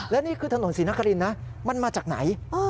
และนี่คือถนนศรีนครินนะมันมาจากไหน